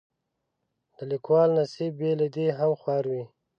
د لیکوالو نصیب بې له دې هم خوار وي.